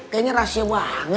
kayaknya rahasia banget